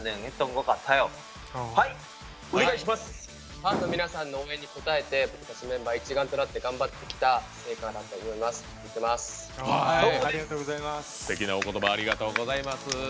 ファンの皆さんの応援に応えてメンバー一丸となって頑張っていきたいのでよろしくお願いします。